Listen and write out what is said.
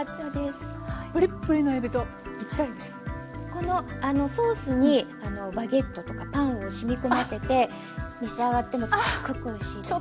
このソースにバゲットとかパンを染み込ませて召し上がってもすっごくおいしいです。